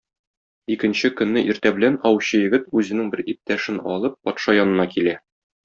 Икенче көнне иртә белән аучы егет үзенең бер иптәшен алып патша янына килә.